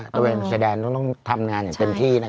บริเวณชายแดนต้องทำงานอย่างเต็มที่